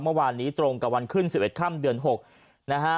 เมื่อวานนี้ตรงกับวันขึ้นสิบเอ็ดข้ำเดือนหกนะฮะ